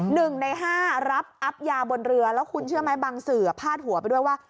หนึ่งในห้ารับอัพยาบนเรือแล้วคุณเชื่อไหมบางสื่อพาดหัวไปด้วยว่า